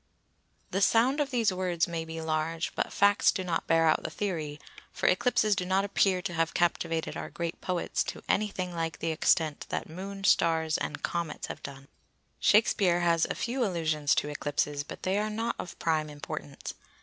The sound of these words may be large but facts do not bear out the theory, for eclipses do not appear to have captivated our great poets to anything like the extent that Moon, Stars, and Comets have done. Shakespeare has a few allusions to eclipses, but they are not of prime importance.